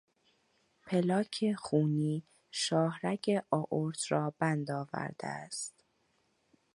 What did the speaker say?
پلاک خونی شاهرگ آئورت را بند آورده است.